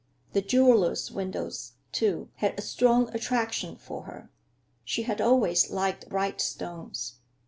The jewelers' windows, too, had a strong attraction for her—she had always liked bright stones.